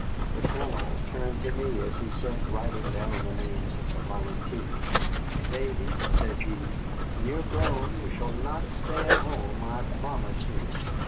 The Colonel turned to me as he sat writing down the names of the volunteers. "Davy," said he, "when you are grown you shall not stay at home, I promise you.